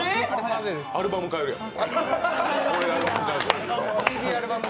アルバム買えるやん。